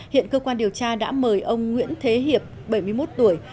hiện cơ quan điều tra đã mời ông nguyễn thế hiệp bảy mươi một tuổi